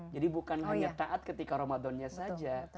jadi bukan hanya taat ketika ramadannya saja